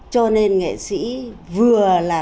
cho nên nghệ sĩ vừa là